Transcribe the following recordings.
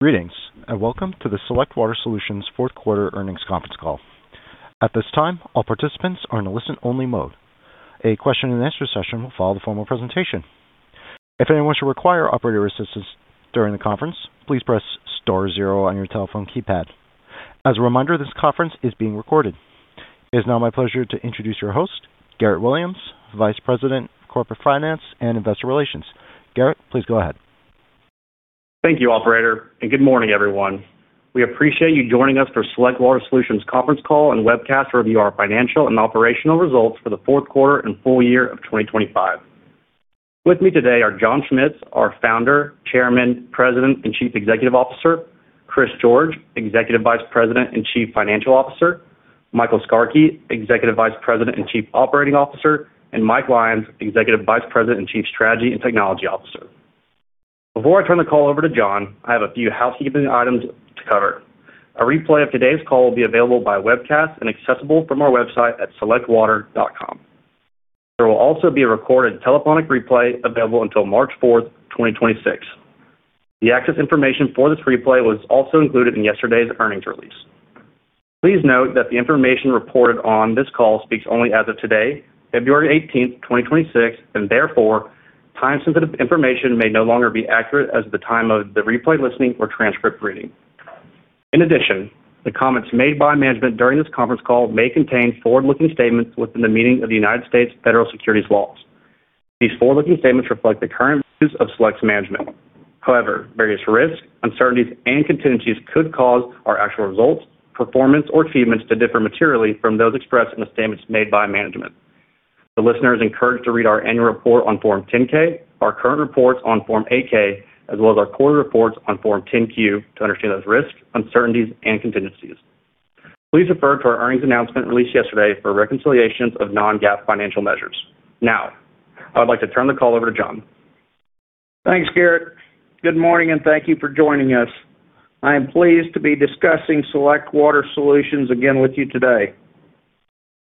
Greetings, and welcome to the Select Water Solutions Fourth Quarter Earnings Conference Call. At this time, all participants are in a listen-only mode. A question and answer session will follow the formal presentation. If anyone should require operator assistance during the conference, please press star zero on your telephone keypad. As a reminder, this conference is being recorded. It is now my pleasure to introduce your host, Garrett Williams, Vice President of Corporate Finance and Investor Relations. Garrett, please go ahead. Thank you, operator, and good morning, everyone. We appreciate you joining us for Select Water Solutions conference call and webcast to review our financial and operational results for the fourth quarter and full year of 2025. With me today are John Schmitz, our Founder, Chairman, President, and Chief Executive Officer; Chris George, Executive Vice President and Chief Financial Officer; Michael Skarke, Executive Vice President and Chief Operating Officer; and Mike Lyons, Executive Vice President and Chief Strategy and Technology Officer. Before I turn the call over to John, I have a few housekeeping items to cover. A replay of today's call will be available by webcast and accessible from our website at selectwater.com. There will also be a recorded telephonic replay available until March 4, 2026. The access information for this replay was also included in yesterday's earnings release. Please note that the information reported on this call speaks only as of today, February 18, 2026, and therefore, time-sensitive information may no longer be accurate as of the time of the replay listening or transcript reading. In addition, the comments made by management during this conference call may contain forward-looking statements within the meaning of the United States federal securities laws. These forward-looking statements reflect the current views of Select's management. However, various risks, uncertainties, and contingencies could cause our actual results, performance, or achievements to differ materially from those expressed in the statements made by management. The listener is encouraged to read our annual report on Form 10-K, our current reports on Form 8-K, as well as our quarterly reports on Form 10-Q to understand those risks, uncertainties and contingencies. Please refer to our earnings announcement released yesterday for reconciliations of non-GAAP financial measures. Now, I would like to turn the call over to John. Thanks, Garrett. Good morning, and thank you for joining us. I am pleased to be discussing Select Water Solutions again with you today.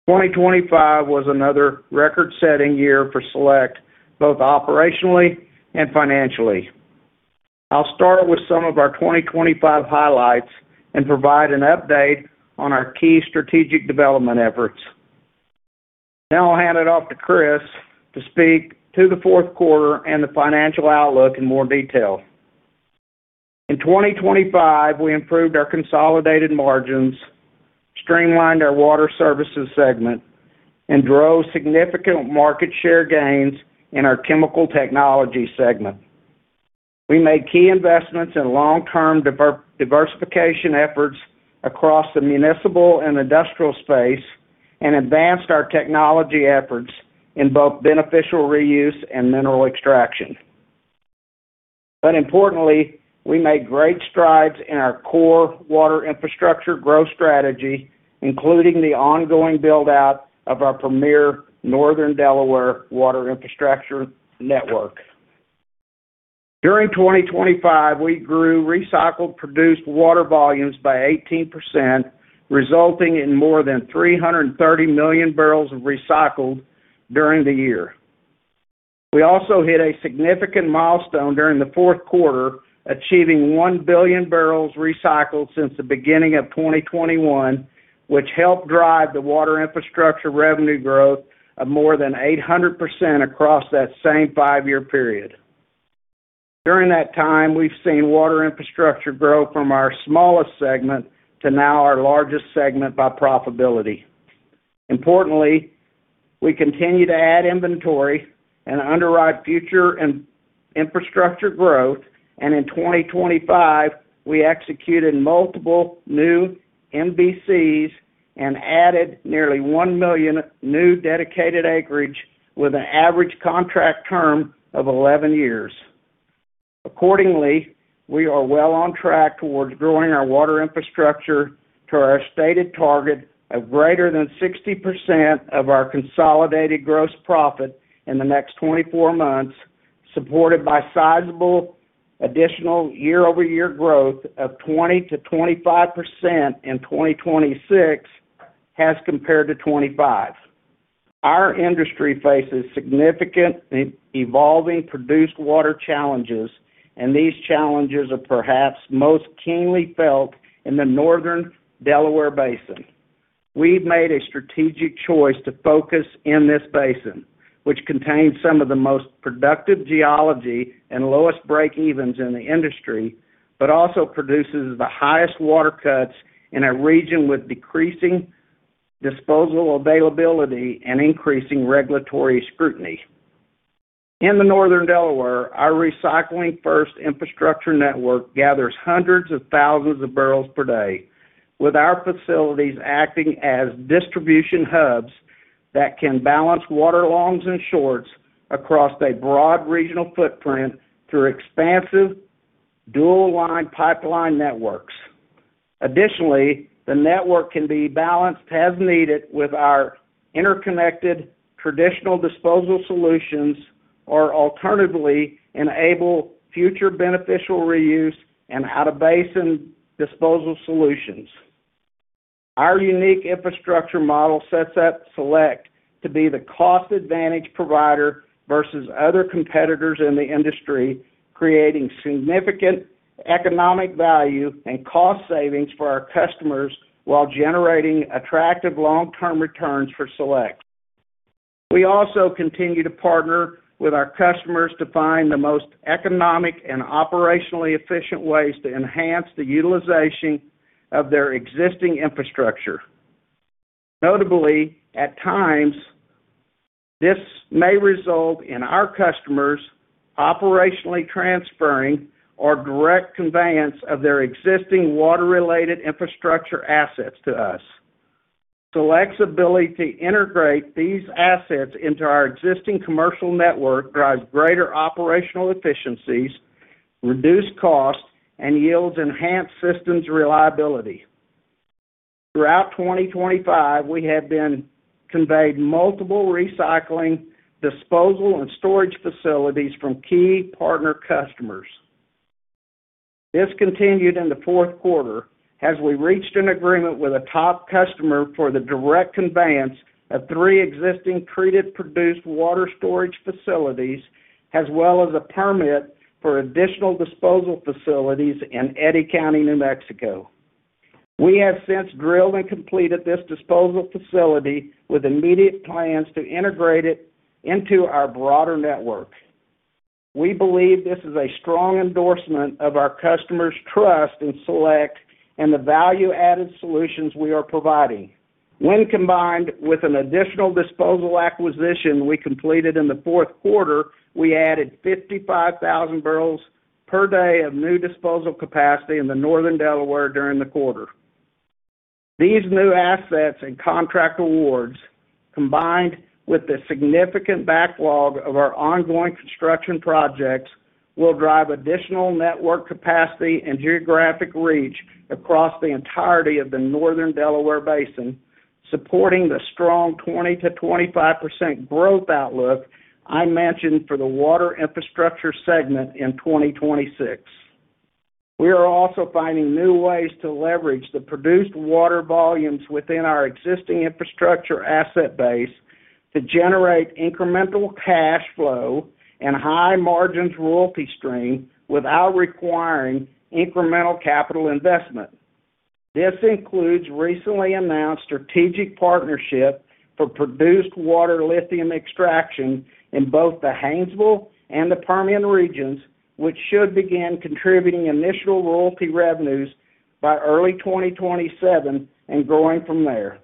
2025 was another record-setting year for Select, both operationally and financially. I'll start with some of our 2025 highlights and provide an update on our key strategic development efforts. Then I'll hand it off to Chris to speak to the fourth quarter and the financial outlook in more detail. In 2025, we improved our consolidated margins, streamlined our water services segment, and drove significant market share gains in our chemical technology segment. We made key investments in long-term diversification efforts across the municipal and industrial space and advanced our technology efforts in both beneficial reuse and mineral extraction. But importantly, we made great strides in our core water infrastructure growth strategy, including the ongoing build-out of our premier Northern Delaware water infrastructure network. During 2025, we grew recycled produced water volumes by 18%, resulting in more than 330 million barrels of recycled during the year. We also hit a significant milestone during the fourth quarter, achieving 1 billion barrels recycled since the beginning of 2021, which helped drive the Water Infrastructure revenue growth of more than 800% across that same five-year period. During that time, we've seen Water Infrastructure grow from our smallest segment to now our largest segment by profitability. Importantly, we continue to add inventory and underwrite future infrastructure growth, and in 2025, we executed multiple new MVCs and added nearly 1 million new dedicated acreage with an average contract term of 11 years. Accordingly, we are well on track towards growing our water infrastructure to our stated target of greater than 60% of our consolidated gross profit in the next 24 months, supported by sizable additional year-over-year growth of 20%-25% in 2026 as compared to 2025. Our industry faces significant and evolving produced water challenges, and these challenges are perhaps most keenly felt in the Northern Delaware Basin. We've made a strategic choice to focus in this basin, which contains some of the most productive geology and lowest breakevens in the industry, but also produces the highest water cuts in a region with decreasing disposal availability and increasing regulatory scrutiny. In the Northern Delaware, our Recycling First infrastructure network gathers hundreds of thousands of barrels per day, with our facilities acting as distribution hubs that can balance water longs and shorts across a broad regional footprint through expansive dual-line pipeline networks. Additionally, the network can be balanced as needed with our interconnected traditional disposal solutions, or alternatively, enable future beneficial reuse and out-of-basin disposal solutions. Our unique infrastructure model sets up Select to be the cost advantage provider versus other competitors in the industry, creating significant economic value and cost savings for our customers, while generating attractive long-term returns for Select. We also continue to partner with our customers to find the most economic and operationally efficient ways to enhance the utilization of their existing infrastructure. Notably, at times, this may result in our customers operationally transferring or direct conveyance of their existing water-related infrastructure assets to us. Select's ability to integrate these assets into our existing commercial network drives greater operational efficiencies, reduced costs, and yields enhanced systems reliability. Throughout 2025, we have been conveyed multiple recycling, disposal, and storage facilities from key partner customers. This continued in the fourth quarter as we reached an agreement with a top customer for the direct conveyance of three existing treated produced water storage facilities, as well as a permit for additional disposal facilities in Eddy County, New Mexico. We have since drilled and completed this disposal facility with immediate plans to integrate it into our broader network. We believe this is a strong endorsement of our customer's trust in Select and the value-added solutions we are providing. When combined with an additional disposal acquisition we completed in the fourth quarter, we added 55,000 barrels per day of new disposal capacity in the Northern Delaware during the quarter. These new assets and contract awards, combined with the significant backlog of our ongoing construction projects, will drive additional network capacity and geographic reach across the entirety of the Northern Delaware Basin, supporting the strong 20%-25% growth outlook I mentioned for the water infrastructure segment in 2026. We are also finding new ways to leverage the produced water volumes within our existing infrastructure asset base to generate incremental cash flow and high margins royalty stream without requiring incremental capital investment. This includes recently announced strategic partnership for produced water lithium extraction in both the Haynesville and the Permian regions, which should begin contributing initial royalty revenues by early 2027 and growing from there.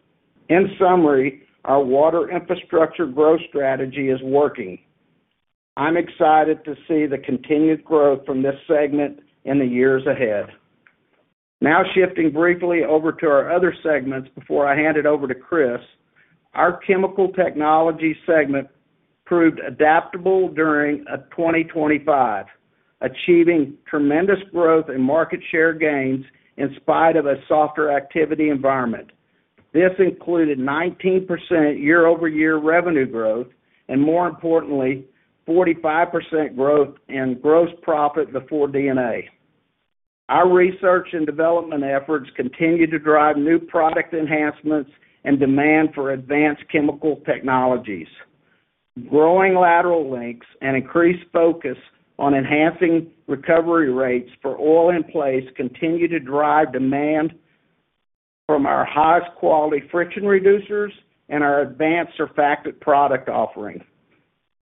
In summary, our water infrastructure growth strategy is working. I'm excited to see the continued growth from this segment in the years ahead. Now, shifting briefly over to our other segments before I hand it over to Chris. Our chemical technology segment proved adaptable during 2025, achieving tremendous growth and market share gains in spite of a softer activity environment. This included 19% year-over-year revenue growth, and more importantly, 45% growth in gross profit before D&A. Our research and development efforts continue to drive new product enhancements and demand for advanced chemical technologies. Growing lateral lengths and increased focus on enhancing recovery rates for oil in place continue to drive demand from our highest quality friction reducers and our advanced surfactant product offering.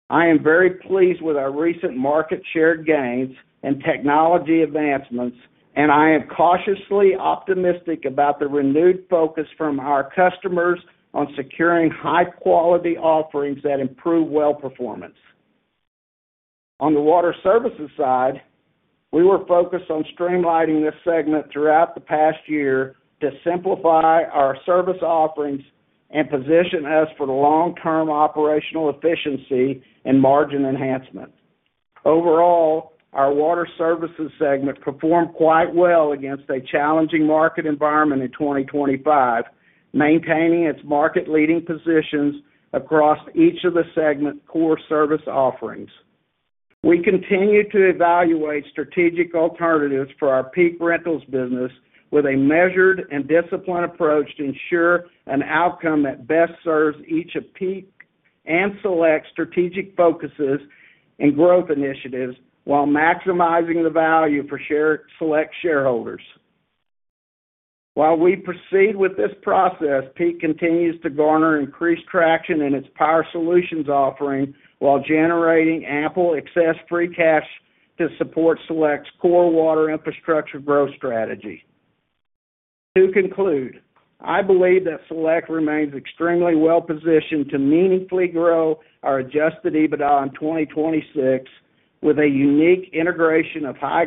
I am very pleased with our recent market share gains and technology advancements, and I am cautiously optimistic about the renewed focus from our customers on securing high-quality offerings that improve well performance. On the water services side, we were focused on streamlining this segment throughout the past year to simplify our service offerings and position us for the long-term operational efficiency and margin enhancement. Overall, our water services segment performed quite well against a challenging market environment in 2025, maintaining its market-leading positions across each of the segment core service offerings. We continue to evaluate strategic alternatives for our Peak Rentals business with a measured and disciplined approach to ensure an outcome that best serves each of Peak and Select strategic focuses and growth initiatives, while maximizing the value for Select shareholders. While we proceed with this process, Peak continues to garner increased traction in its power solutions offering, while generating ample excess free cash to support Select's core water infrastructure growth strategy. To conclude, I believe that Select remains extremely well-positioned to meaningfully grow our Adjusted EBITDA in 2026, with a unique integration of high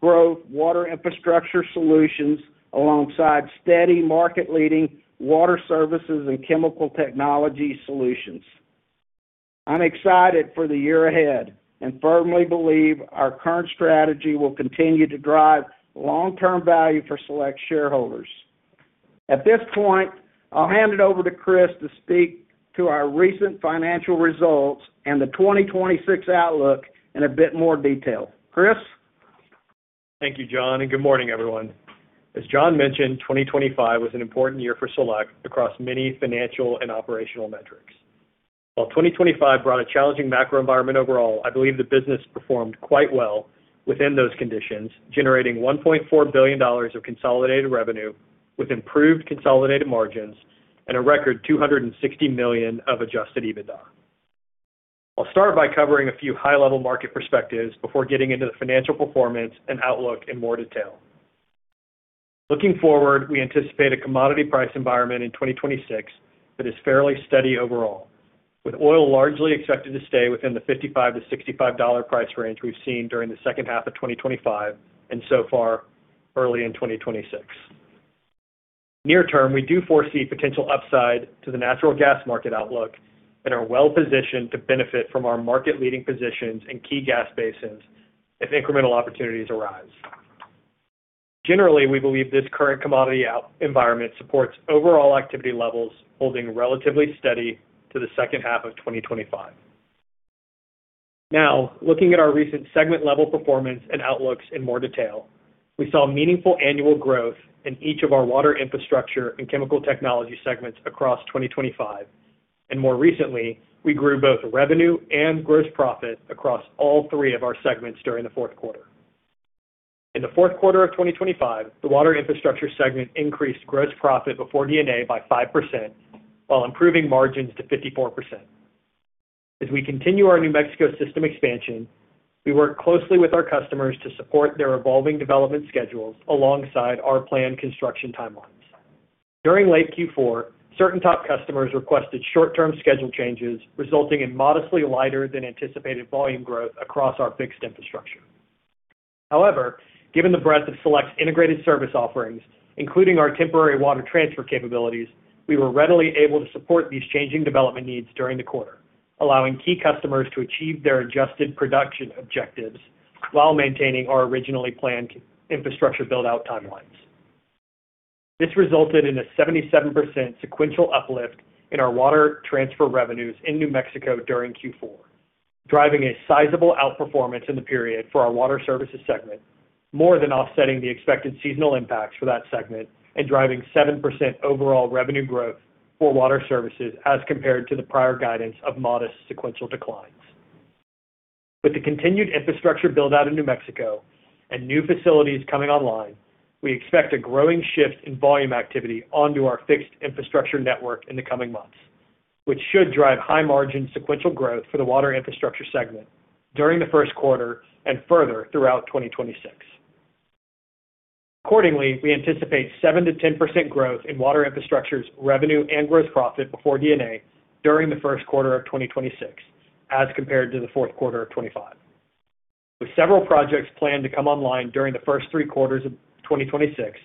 growth water infrastructure solutions, alongside steady market-leading water services and chemical technology solutions. I'm excited for the year ahead and firmly believe our current strategy will continue to drive long-term value for Select shareholders. At this point, I'll hand it over to Chris to speak to our recent financial results and the 2026 outlook in a bit more detail. Chris? Thank you, John, and good morning, everyone. As John mentioned, 2025 was an important year for Select across many financial and operational metrics. While 2025 brought a challenging macro environment overall, I believe the business performed quite well within those conditions, generating $1.4 billion of consolidated revenue, with improved consolidated margins and a record $260 million of Adjusted EBITDA. I'll start by covering a few high-level market perspectives before getting into the financial performance and outlook in more detail. Looking forward, we anticipate a commodity price environment in 2026 that is fairly steady overall, with oil largely expected to stay within the $55-$65 price range we've seen during the second half of 2025 and so far early in 2026. Near term, we do foresee potential upside to the natural gas market outlook and are well positioned to benefit from our market-leading positions in key gas basins if incremental opportunities arise. Generally, we believe this current commodity outlook environment supports overall activity levels holding relatively steady to the second half of 2025. Now, looking at our recent segment-level performance and outlooks in more detail, we saw meaningful annual growth in each of our Water Infrastructure and Chemical Technologies segments across 2025. And more recently, we grew both revenue and gross profit across all three of our segments during the fourth quarter. In the fourth quarter of 2025, the Water Infrastructure segment increased gross profit before D&A by 5%, while improving margins to 54%. As we continue our New Mexico system expansion, we work closely with our customers to support their evolving development schedules alongside our planned construction timelines. During late Q4, certain top customers requested short-term schedule changes, resulting in modestly lighter than anticipated volume growth across our fixed infrastructure. However, given the breadth of Select's integrated service offerings, including our temporary water transfer capabilities, we were readily able to support these changing development needs during the quarter, allowing key customers to achieve their adjusted production objectives while maintaining our originally planned infrastructure build-out timelines. This resulted in a 77% sequential uplift in our Water Transfer revenues in New Mexico during Q4, driving a sizable outperformance in the period for our Water Services segment, more than offsetting the expected seasonal impacts for that segment and driving 7% overall revenue growth for Water Services as compared to the prior guidance of modest sequential declines. With the continued infrastructure build-out in New Mexico and new facilities coming online, we expect a growing shift in volume activity onto our fixed infrastructure network in the coming months, which should drive high-margin sequential growth for the Water Infrastructure segment during the first quarter and further throughout 2026. Accordingly, we anticipate 7%-10% growth in Water Infrastructure's revenue and gross profit before D&A during the first quarter of 2026 as compared to the fourth quarter of 2025. With several projects planned to come online during the first three quarters of 2026,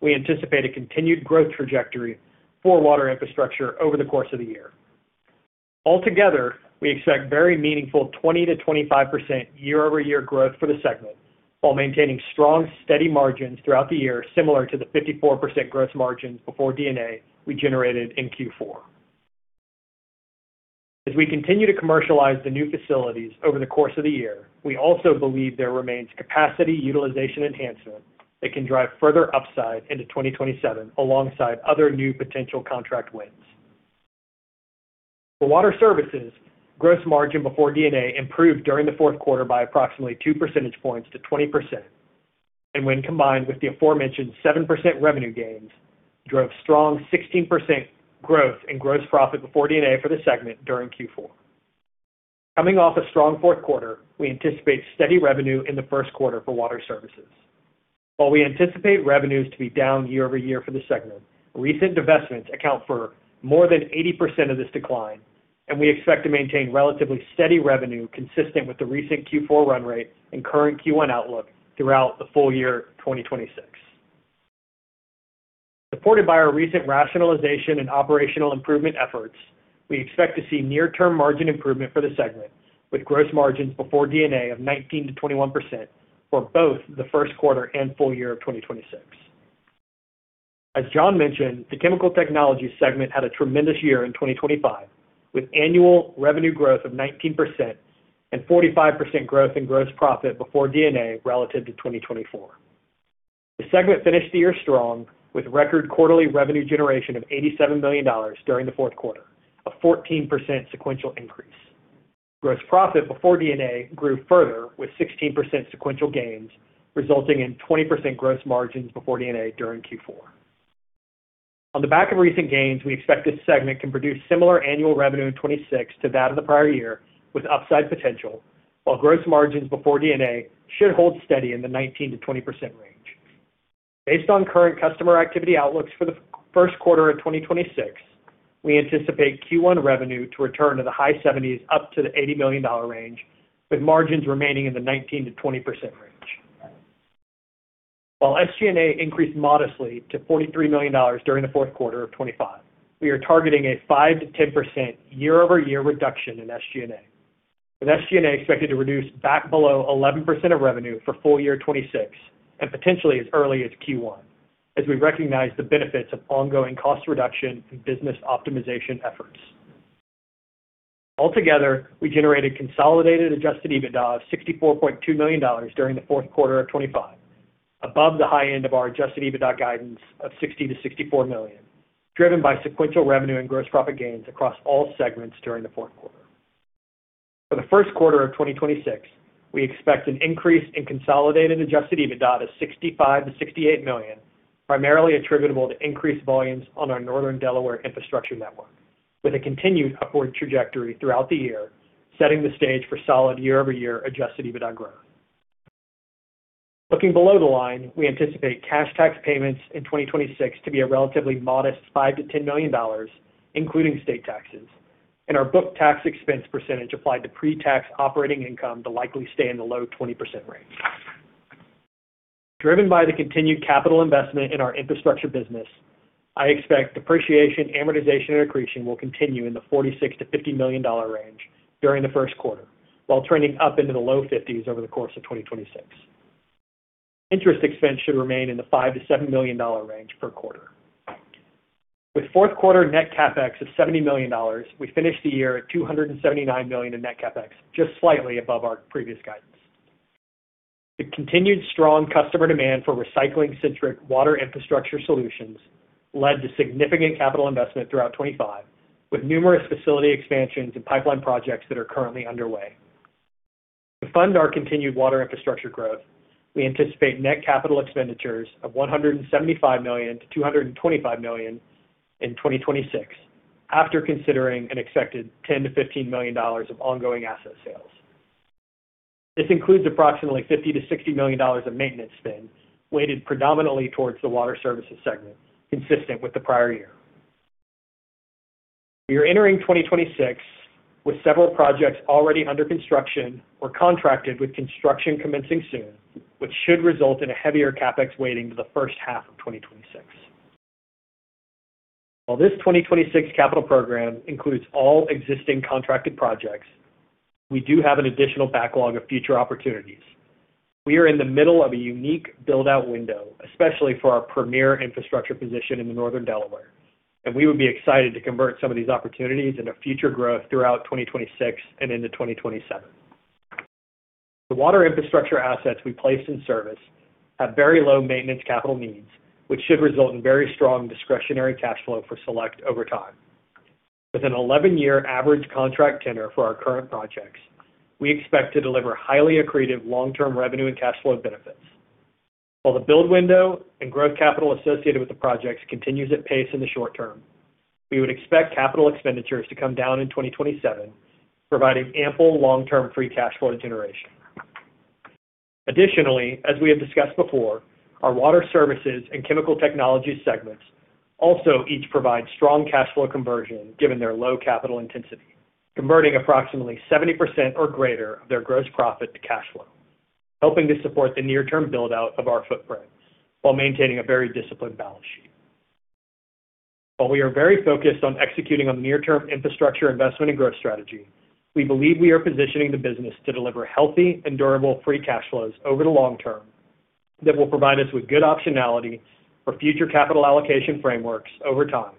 we anticipate a continued growth trajectory for water infrastructure over the course of the year. Altogether, we expect very meaningful 20%-25% year-over-year growth for the segment, while maintaining strong, steady margins throughout the year, similar to the 54% gross margins before D&A we generated in Q4. As we continue to commercialize the new facilities over the course of the year, we also believe there remains capacity utilization enhancement that can drive further upside into 2027, alongside other new potential contract wins. The water services gross margin before D&A improved during the fourth quarter by approximately 2 percentage points to 20%, and when combined with the aforementioned 7% revenue gains, drove strong 16% growth in gross profit before D&A for the segment during Q4. Coming off a strong fourth quarter, we anticipate steady revenue in the first quarter for water services. While we anticipate revenues to be down year-over-year for the segment, recent divestments account for more than 80% of this decline, and we expect to maintain relatively steady revenue consistent with the recent Q4 run rate and current Q1 outlook throughout the full year of 2026. Supported by our recent rationalization and operational improvement efforts, we expect to see near-term margin improvement for the segment, with gross margins before D&A of 19%-21% for both the first quarter and full year of 2026. As John mentioned, the chemical technology segment had a tremendous year in 2025, with annual revenue growth of 19% and 45% growth in gross profit before D&A relative to 2024. The segment finished the year strong, with record quarterly revenue generation of $87 million during the fourth quarter, a 14% sequential increase. Gross profit before D&A grew further, with 16% sequential gains, resulting in 20% gross margins before D&A during Q4. On the back of recent gains, we expect this segment can produce similar annual revenue in 2026 to that of the prior year, with upside potential, while gross margins before D&A should hold steady in the 19%-20% range. Based on current customer activity outlooks for the first quarter of 2026, we anticipate Q1 revenue to return to the high $70s, up to the $80 million range, with margins remaining in the 19%-20% range. While SG&A increased modestly to $43 million during the fourth quarter of 2025, we are targeting a 5%-10% year-over-year reduction in SG&A, with SG&A expected to reduce back below 11% of revenue for full year 2026 and potentially as early as Q1, as we recognize the benefits of ongoing cost reduction and business optimization efforts. Altogether, we generated consolidated Adjusted EBITDA of $64.2 million during the fourth quarter of 2025, above the high end of our Adjusted EBITDA guidance of $60 million-$64 million, driven by sequential revenue and gross profit gains across all segments during the fourth quarter. For the first quarter of 2026, we expect an increase in consolidated Adjusted EBITDA of $65 million-$68 million, primarily attributable to increased volumes on our Northern Delaware infrastructure network, with a continued upward trajectory throughout the year, setting the stage for solid year-over-year Adjusted EBITDA growth. Looking below the line, we anticipate cash tax payments in 2026 to be a relatively modest $5 million-$10 million, including state taxes, and our book tax expense percentage applied to pre-tax operating income to likely stay in the low 20% range. Driven by the continued capital investment in our infrastructure business, I expect depreciation, amortization, and accretion will continue in the $46 million-$50 million range during the first quarter, while trending up into the low 50s over the course of 2026. Interest expense should remain in the $5 million-$7 million range per quarter. With fourth quarter net CapEx of $70 million, we finished the year at 279 million in net CapEx, just slightly above our previous guidance. The continued strong customer demand for recycling-centric water infrastructure solutions led to significant capital investment throughout 2025, with numerous facility expansions and pipeline projects that are currently underway. To fund our continued water infrastructure growth, we anticipate net capital expenditures of $175 million-$225 million in 2026, after considering an expected $10 million-$15 million of ongoing asset sales. This includes approximately $50 million-$60 million of maintenance spend, weighted predominantly towards the water services segment, consistent with the prior year. We are entering 2026 with several projects already under construction or contracted with construction commencing soon, which should result in a heavier CapEx weighting for the first half of 2026. While this 2026 capital program includes all existing contracted projects, we do have an additional backlog of future opportunities. We are in the middle of a unique build-out window, especially for our premier infrastructure position in the Northern Delaware, and we would be excited to convert some of these opportunities into future growth throughout 2026 and into 2027. The water infrastructure assets we placed in service have very low maintenance capital needs, which should result in very strong discretionary cash flow for Select over time. With an 11-year average contract tender for our current projects, we expect to deliver highly accretive long-term revenue and cash flow benefits. While the build window and growth capital associated with the projects continues at pace in the short term, we would expect capital expenditures to come down in 2027, providing ample long-term free cash flow generation. Additionally, as we have discussed before, our Water Services and Chemical Technologies segments also each provide strong cash flow conversion, given their low capital intensity, converting approximately 70% or greater of their gross profit to cash flow, helping to support the near-term build-out of our footprint while maintaining a very disciplined balance sheet. While we are very focused on executing on the near-term infrastructure investment and growth strategy, we believe we are positioning the business to deliver healthy and durable free cash flows over the long term that will provide us with good optionality for future capital allocation frameworks over time,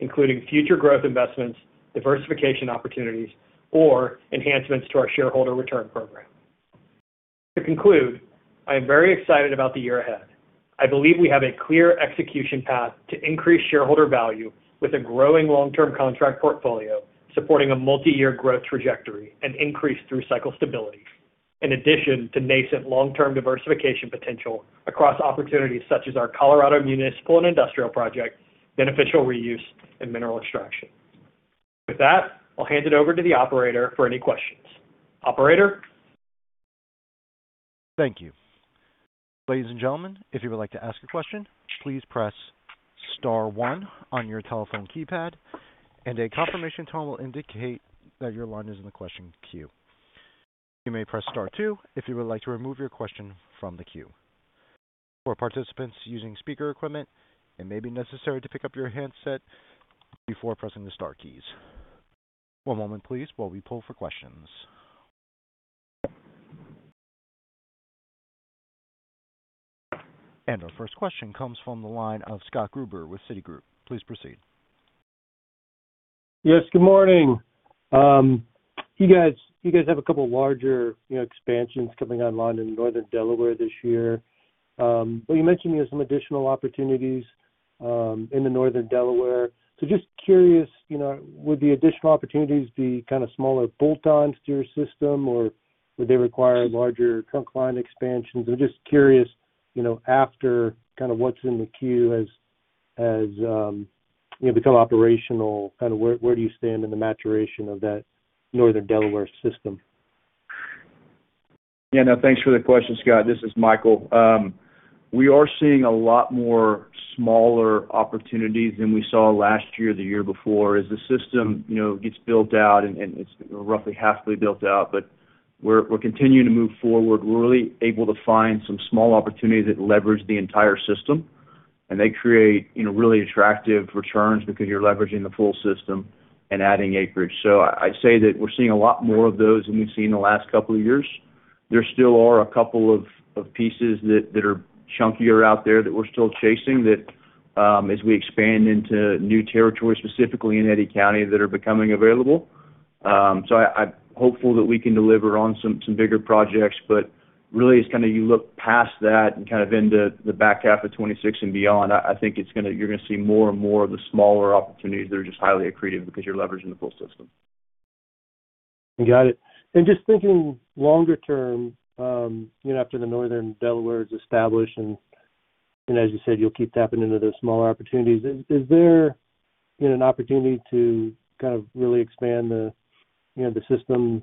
including future growth investments, diversification opportunities, or enhancements to our shareholder return program. To conclude, I am very excited about the year ahead. I believe we have a clear execution path to increase shareholder value with a growing long-term contract portfolio, supporting a multi-year growth trajectory and increased through-cycle stability, in addition to nascent long-term diversification potential across opportunities such as our Colorado municipal and industrial project, beneficial reuse, and mineral extraction. With that, I'll hand it over to the operator for any questions. Operator? Thank you. Ladies and gentlemen, if you would like to ask a question, please press star one on your telephone keypad, and a confirmation tone will indicate that your line is in the question queue. You may press star two if you would like to remove your question from the queue. For participants using speaker equipment, it may be necessary to pick up your handset before pressing the star keys. One moment, please, while we pull for questions. And our first question comes from the line of Scott Gruber with Citigroup. Please proceed. Yes, good morning. You guys, you guys have a couple larger, you know, expansions coming online in Northern Delaware this year. But you mentioned you have some additional opportunities, in the Northern Delaware. So just curious, you know, would the additional opportunities be kind of smaller bolt-ons to your system, or would they require larger trunk line expansions? I'm just curious, you know, after kind of what's in the queue as, you know, become operational, kind of where do you stand in the maturation of that Northern Delaware system? Yeah. No, thanks for the question, Scott. This is Michael. We are seeing a lot more smaller opportunities than we saw last year or the year before, as the system, you know, gets built out and it's roughly halfway built out, but we're continuing to move forward. We're really able to find some small opportunities that leverage the entire system, and they create, you know, really attractive returns because you're leveraging the full system and adding acreage. So I'd say that we're seeing a lot more of those than we've seen in the last couple of years.... There still are a couple of pieces that are chunkier out there that we're still chasing, as we expand into new territories, specifically in Eddy County, that are becoming available. So I'm hopeful that we can deliver on some bigger projects, but really, it's kind of you look past that and kind of into the back half of 2026 and beyond. I think it's gonna—you're gonna see more and more of the smaller opportunities that are just highly accretive because you're leveraging the full system. Got it. And just thinking longer term, you know, after the Northern Delaware is established, and as you said, you'll keep tapping into those smaller opportunities. Is there, you know, an opportunity to kind of really expand the, you know, the system,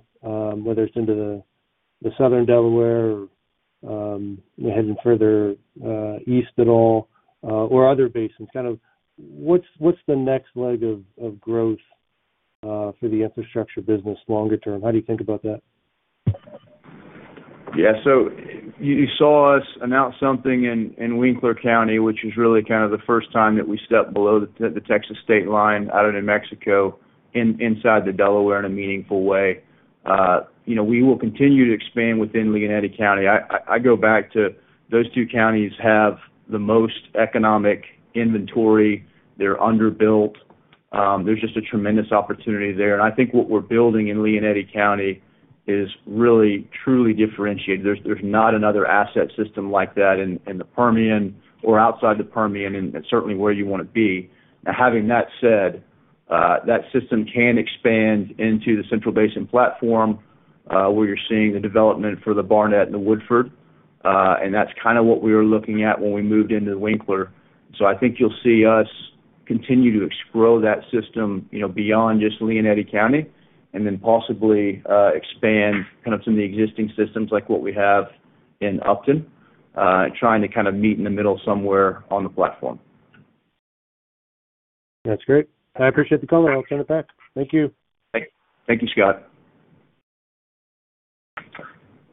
whether it's into the Southern Delaware or heading further east at all, or other basins? Kind of what's the next leg of growth for the infrastructure business longer term? How do you think about that? Yeah. So you saw us announce something in Winkler County, which is really kind of the first time that we stepped below the Texas state line, out of New Mexico, inside the Delaware, in a meaningful way. You know, we will continue to expand within Lea and Eddy County. I go back to those two counties have the most economic inventory. They're underbuilt. There's just a tremendous opportunity there, and I think what we're building in Lea and Eddy County is really, truly differentiated. There's not another asset system like that in the Permian or outside the Permian, and it's certainly where you want to be. Now, having that said, that system can expand into the Central Basin Platform, where you're seeing the development for the Barnett and the Woodford. And that's kind of what we were looking at when we moved into Winkler. So I think you'll see us continue to explore that system, you know, beyond just Lea and Eddy County, and then possibly expand kind of some of the existing systems, like what we have in Upton, trying to kind of meet in the middle somewhere on the platform. That's great. I appreciate the color. I'll send it back. Thank you. Thank you, Scott.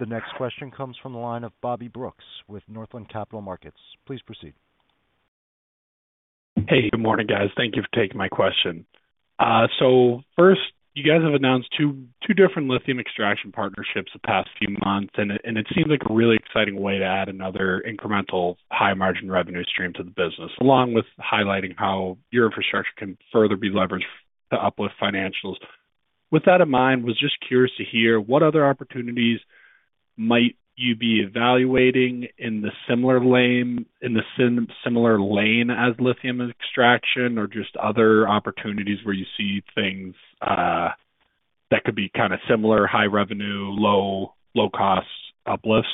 The next question comes from the line of Bobby Brooks, with Northland Capital Markets. Please proceed. Hey, good morning, guys. Thank you for taking my question. So first, you guys have announced two different lithium extraction partnerships the past few months, and it seems like a really exciting way to add another incremental high-margin revenue stream to the business, along with highlighting how your infrastructure can further be leveraged to uplift financials. With that in mind, was just curious to hear what other opportunities might you be evaluating in the similar lane as lithium extraction, or just other opportunities where you see things that could be kind of similar, high revenue, low-cost uplifts?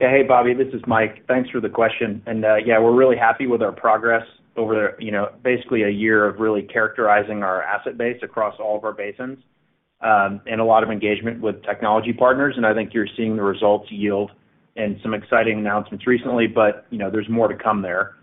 Hey, Bobby, this is Mike. Thanks for the question. And, yeah, we're really happy with our progress over the, you know, basically a year of really characterizing our asset base across all of our basins, and a lot of engagement with technology partners, and I think you're seeing the results yield and some exciting announcements recently, but, you know, there's more to come there.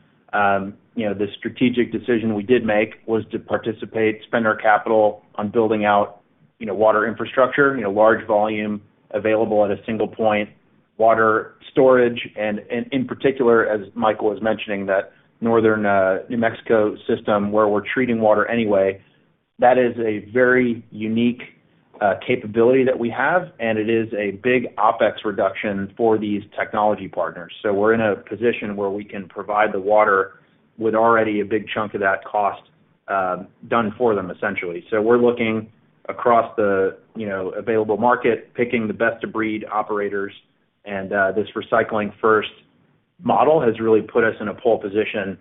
You know, the strategic decision we did make was to participate, spend our capital on building out, you know, water infrastructure, you know, large volume available at a single point, water storage, and, and in particular, as Michael was mentioning, that northern, New Mexico system where we're treating water anyway. That is a very unique, capability that we have, and it is a big OpEx reduction for these technology partners. So we're in a position where we can provide the water with already a big chunk of that cost, done for them, essentially. So we're looking across the, you know, available market, picking the best-of-breed operators, and this Recycling First model has really put us in a pole position,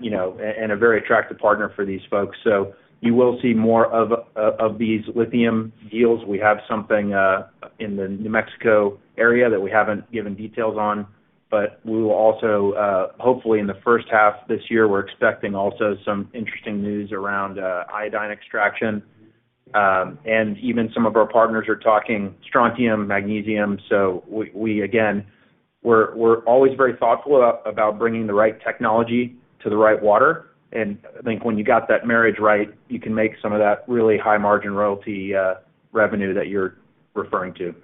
you know, and a very attractive partner for these folks. So you will see more of, of these lithium deals. We have something in the New Mexico area that we haven't given details on, but we will also, hopefully, in the first half of this year, we're expecting also some interesting news around iodine extraction. And even some of our partners are talking strontium, magnesium. So we again, we're always very thoughtful about bringing the right technology to the right water, and I think when you got that marriage right, you can make some of that really high-margin royalty revenue that you're referring to.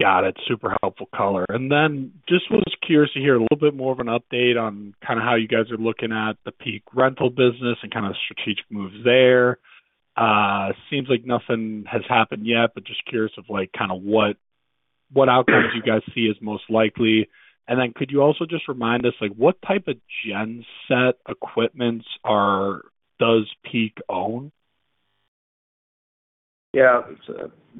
Got it. Super helpful color. And then just was curious to hear a little bit more of an update on kind of how you guys are looking at the Peak Rentals business and kind of strategic moves there. Seems like nothing has happened yet, but just curious of, like, kind of what, what outcomes you guys see as most likely. And then could you also just remind us, like, what type of gen set equipments does Peak own? Yeah.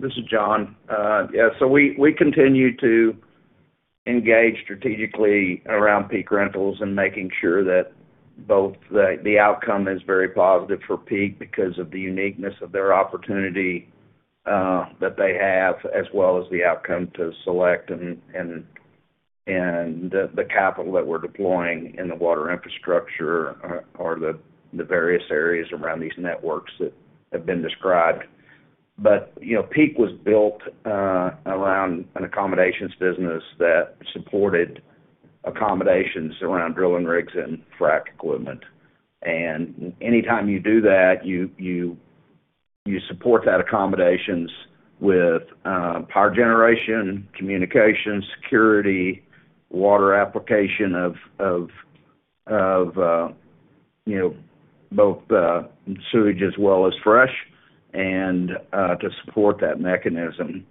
This is John. Yeah, so we continue to engage strategically around Peak Rentals and making sure that both the outcome is very positive for Peak because of the uniqueness of their opportunity that they have, as well as the outcome to Select and the capital that we're deploying in the water infrastructure or the various areas around these networks that have been described. But, you know, Peak was built around an accommodations business that supported accommodations around drilling rigs and frack equipment. And anytime you do that, you support that accommodations with power generation, communication, security, water application of...... you know, both, sewage as well as fresh, and, to support that mechanism.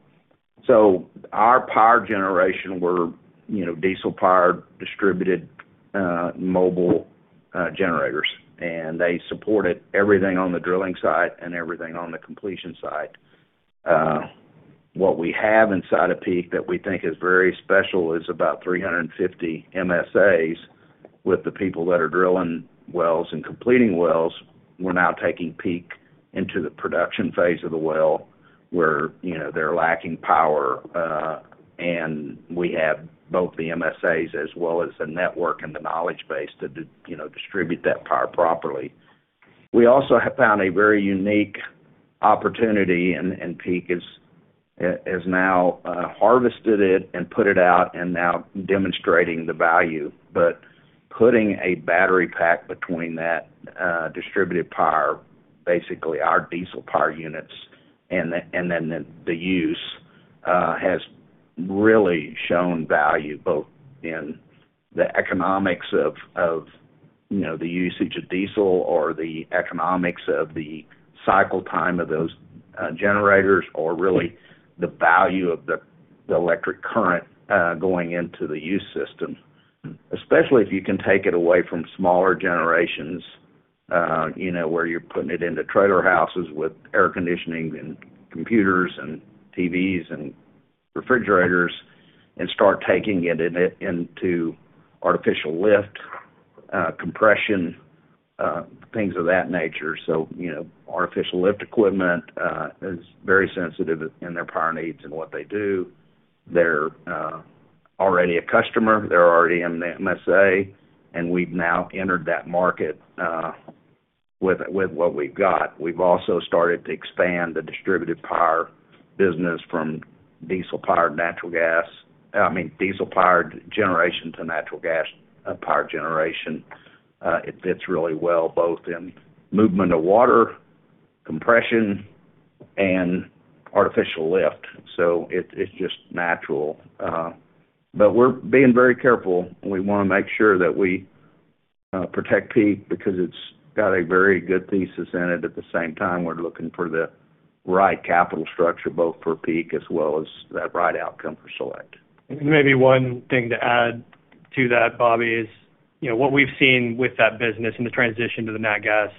So our power generation, we're, you know, diesel-powered, distributed, mobile, generators, and they supported everything on the drilling site and everything on the completion site. What we have inside of Peak that we think is very special is about 350 MSAs with the people that are drilling wells and completing wells. We're now taking Peak into the production phase of the well, where, you know, they're lacking power, and we have both the MSAs as well as the network and the knowledge base to you know, distribute that power properly. We also have found a very unique opportunity, and Peak is, has now, harvested it and put it out and now demonstrating the value. But putting a battery pack between that, distributed power, basically our diesel power units, and then the use has really shown value, both in the economics of, you know, the usage of diesel or the economics of the cycle time of those generators, or really the value of the electric current going into the use system. Especially if you can take it away from smaller generations, you know, where you're putting it into trailer houses with air conditioning and computers and TVs and refrigerators, and start taking it in, into artificial lift, compression, things of that nature. So, you know, artificial lift equipment is very sensitive in their power needs and what they do. They're already a customer, they're already in the MSA, and we've now entered that market with what we've got. We've also started to expand the distributed power business from diesel-powered generation to natural gas power generation. It fits really well, both in movement of water, compression, and artificial lift, so it, it's just natural. But we're being very careful, and we wanna make sure that we protect Peak because it's got a very good thesis in it. At the same time, we're looking for the right capital structure, both for Peak as well as that right outcome for Select. Maybe one thing to add to that, Bobby, is, you know, what we've seen with that business and the transition to the nat gas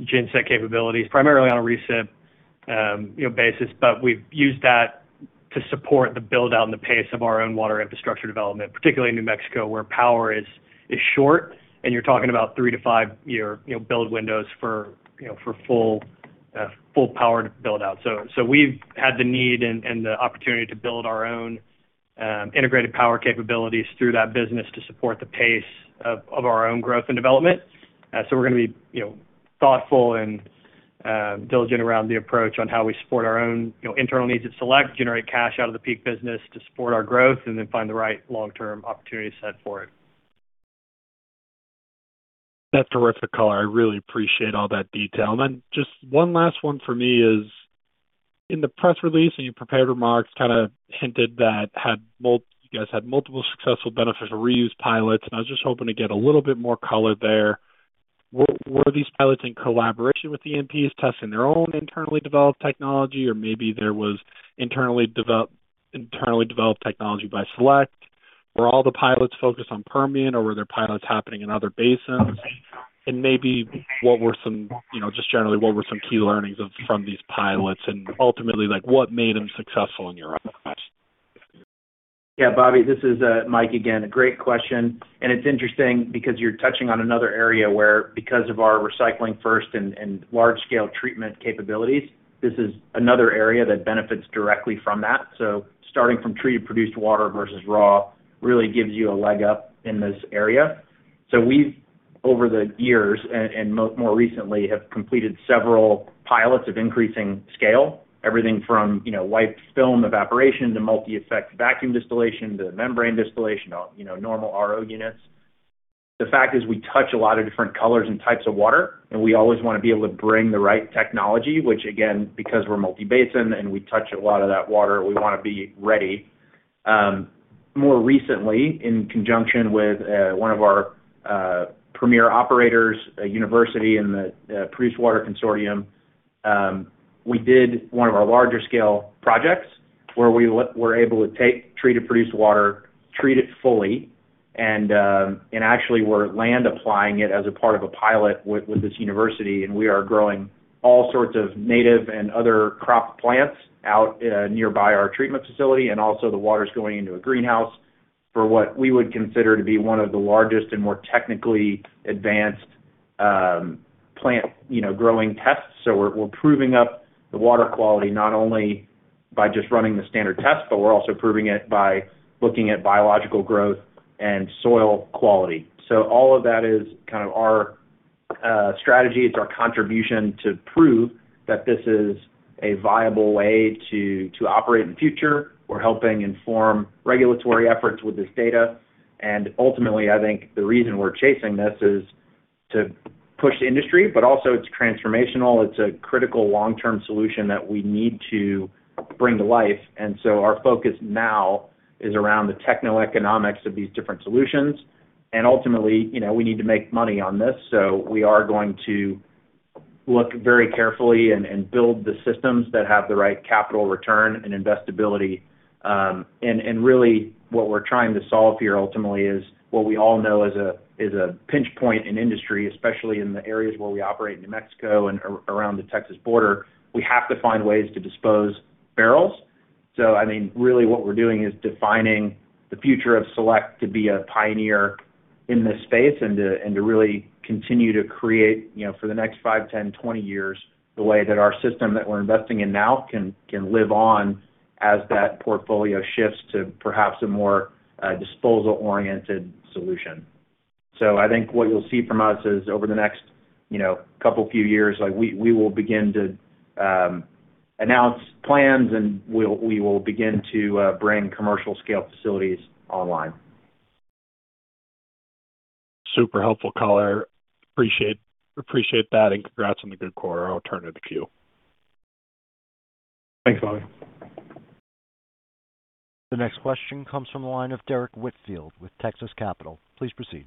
gen set capabilities, primarily on a recip basis, but we've used that to support the build-out and the pace of our own water infrastructure development, particularly in New Mexico, where power is short, and you're talking about 3- to 5-year build windows for full power to build out. So we've had the need and the opportunity to build our own integrated power capabilities through that business to support the pace of our own growth and development. So we're gonna be, you know, thoughtful and diligent around the approach on how we support our own, you know, internal needs at Select, generate cash out of the Peak business to support our growth, and then find the right long-term opportunity set for it. That's terrific color. I really appreciate all that detail. And then just one last one for me is: in the press release, and your prepared remarks, kind of hinted that you guys had multiple successful beneficial reuse pilots, and I was just hoping to get a little bit more color there. Were these pilots in collaboration with the E&Ps, testing their own internally developed technology, or maybe there was internally developed technology by Select? Were all the pilots focused on Permian, or were there pilots happening in other basins? And maybe what were some... You know, just generally, what were some key learnings from these pilots, and ultimately, like, what made them successful in your eyes? Yeah, Bobby, this is Mike again. A great question, and it's interesting because you're touching on another area where, because of our Recycling First and large-scale treatment capabilities, this is another area that benefits directly from that. So starting from treated produced water versus raw, really gives you a leg up in this area. So we've, over the years and more recently, have completed several pilots of increasing scale, everything from, you know, wiped film evaporation to multi-effect vacuum distillation, to membrane distillation, you know, normal RO units. The fact is, we touch a lot of different colors and types of water, and we always wanna be able to bring the right technology, which again, because we're multi-basin and we touch a lot of that water, we wanna be ready. More recently, in conjunction with one of our premier operators, a university, and the Produced Water Consortium, we did one of our larger scale projects, where we're able to take treated produced water, treat it fully, and actually we're land applying it as a part of a pilot with this university, and we are growing all sorts of native and other crop plants out nearby our treatment facility, and also the water's going into a greenhouse for what we would consider to be one of the largest and more technically advanced plant, you know, growing tests. So we're proving up the water quality, not only by just running the standard test, but we're also proving it by looking at biological growth and soil quality. So all of that is kind of our strategy. It's our contribution to prove that this is a viable way to operate in the future. We're helping inform regulatory efforts with this data, and ultimately, I think the reason we're chasing this is to push the industry, but also it's transformational. It's a critical long-term solution that we need to-... bring to life. And so our focus now is around the techno economics of these different solutions. And ultimately, you know, we need to make money on this, so we are going to look very carefully and build the systems that have the right capital return and investability. And really, what we're trying to solve here ultimately is what we all know is a pinch point in industry, especially in the areas where we operate in New Mexico and around the Texas border. We have to find ways to dispose barrels. So I mean, really what we're doing is defining the future of Select to be a pioneer in this space and to, and to really continue to create, you know, for the next 5, 10, 20 years, the way that our system that we're investing in now can, can live on as that portfolio shifts to perhaps a more, disposal-oriented solution. So I think what you'll see from us is over the next, you know, couple, few years, like, we, we will begin to announce plans, and we'll, we will begin to bring commercial scale facilities online. Super helpful, caller. Appreciate, appreciate that, and congrats on the good quarter. I'll turn it to Q. Thanks, Bobby. The next question comes from the line of Derrick Whitfield with Texas Capital. Please proceed.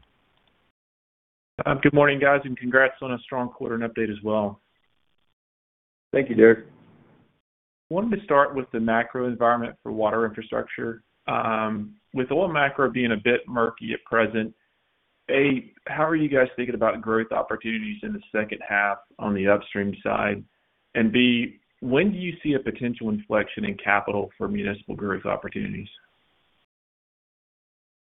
Good morning, guys, and congrats on a strong quarter and update as well. Thank you, Derrick. I wanted to start with the macro environment for water infrastructure. With oil macro being a bit murky at present, A, how are you guys thinking about growth opportunities in the second half on the upstream side? And B, when do you see a potential inflection in capital for municipal growth opportunities?